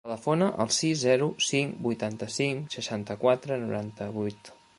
Telefona al sis, zero, cinc, vuitanta-cinc, seixanta-quatre, noranta-vuit.